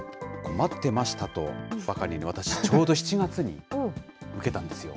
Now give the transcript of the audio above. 待ってましたとばかりに、私、ちょうど７月に受けたんですよ。